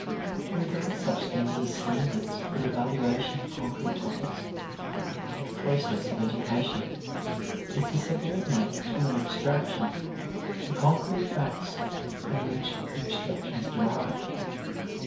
To regard such things as standards for the valuation of concrete topics and process of education is to subordinate to an abstraction the concrete facts from which the abstraction is derived.